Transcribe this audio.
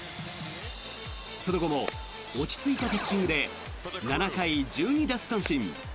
その後も落ち着いたピッチングで７回１２奪三振。